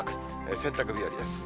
洗濯日和です。